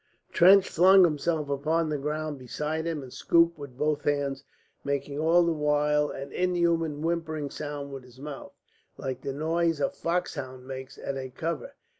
Trench flung himself upon the ground beside him and scooped with both hands, making all the while an inhuman whimpering sound with his mouth, like the noise a foxhound makes at a cover.